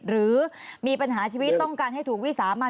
หรือมีปัญหาชีวิตต้องการให้ถูกวิสามัน